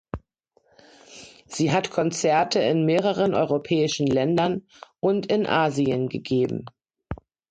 Sie hat Konzerte in mehreren europäischen Ländern und in Asien gegeben.